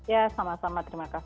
ya sama sama terima kasih